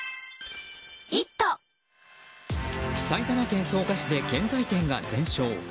埼玉県草加市で建材店が全焼。